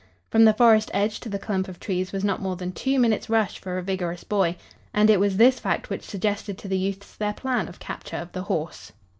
From the forest edge to the clump of trees was not more than two minutes' rush for a vigorous boy and it was this fact which suggested to the youths their plan of capture of the horse.